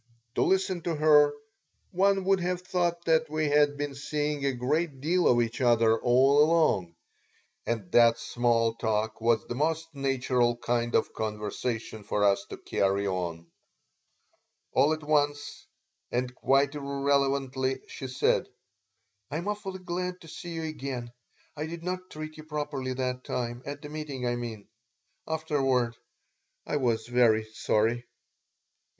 To listen to her, one would have thought that we had been seeing a great deal of each other all along, and that small talk was the most natural kind of conversation for us to carry on All at once, and quite irrelevantly, she said: "I am awfully glad to see you again. I did not treat you properly that time at the meeting, I mean. Afterward I was very sorry."